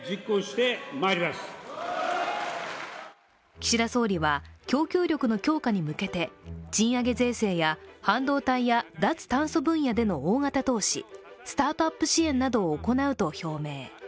岸田総理は供給力の強化に向けて賃上げ税制や半導体や脱炭素分野での大型投資スタートアップ支援などを行うと表明。